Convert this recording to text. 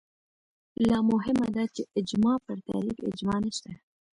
لا مهمه دا چې اجماع پر تعریف اجماع نشته